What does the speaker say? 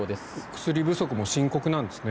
薬不足も深刻なんですね。